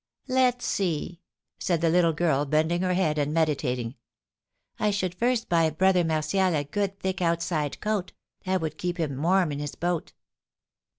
"Let's see," said the little girl, bending her head, and meditating. "I should first buy Brother Martial a good thick outside coat, that would keep him warm in his boat."